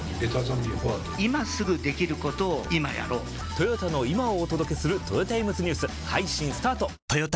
トヨタの今をお届けするトヨタイムズニュース配信スタート！！！